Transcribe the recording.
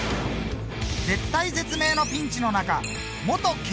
絶体絶命のピンチの中元